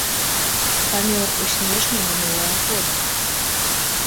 Памёр у снежні мінулага года.